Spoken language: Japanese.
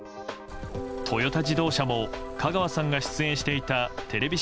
トヨタ自動車も香川さんが出演していたテレビ